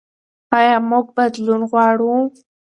ایا موږ بدلون غواړو؟